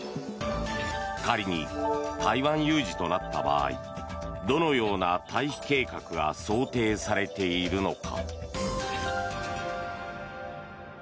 仮に台湾有事となった場合どのような退避計画が想定されているのか。